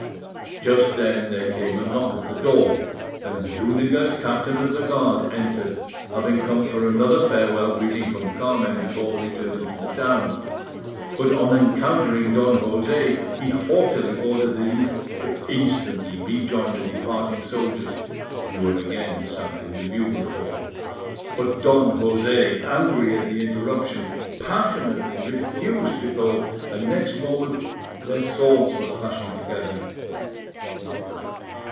Just then there came a knock at the door, and Zuniga, Captain of the Guard, entered, having come for another farewell greeting from Carmen before returning to the town; but on encountering Don José, he haughtily ordered the youth to instantly rejoin the departing soldiers, who were again sounding the bugle call. But Don José, angry at the interruption, passionately refused to go, and next moment their swords were clashing together.